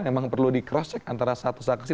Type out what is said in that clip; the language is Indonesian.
memang perlu di cross check antara satu saksi